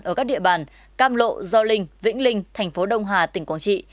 ở các địa bàn cam lộ gio linh vĩnh linh thành phố đông hà tỉnh quảng trị